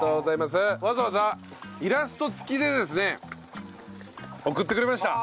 わざわざイラスト付きでですね送ってくれました。